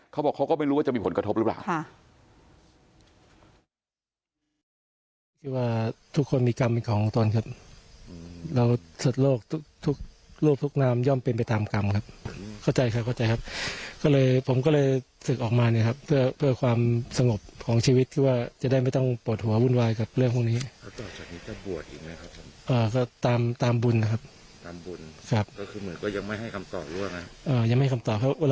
เขาก็ไม่รู้ว่าจะมีผลกระทบหรือเปล่า